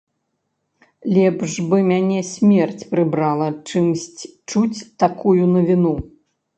Лепш бы мяне смерць прыбрала, чымсь чуць такую навіну.